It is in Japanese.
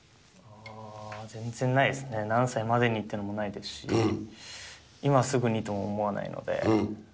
あー、全然ないですね、何歳までにっていうのもないですし、今すぐにとも思わないので。